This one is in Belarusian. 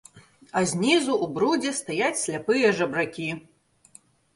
А знізу ў брудзе стаяць сляпыя жабракі.